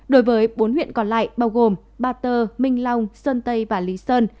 đối với bốn huyện còn lại bao gồm ba tơ minh long sơn tây và lý sơn